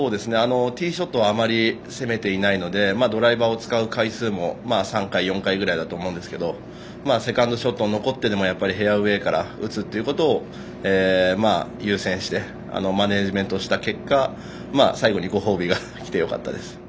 ティーショットはあまり攻めていないのでドライバーを使う回数も３回、４回ぐらいだと思うんですけどセカンドショットが残ってでもフェアウエーから打つことを優先してマネージメントした結果最後にご褒美が来てよかったです。